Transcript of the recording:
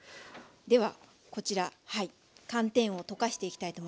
ではこちらはい寒天を溶かしていきたいと思います。